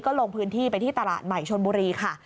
ลงพื้นที่ไปที่ตลาดใหม่ชนบุรีค่ะ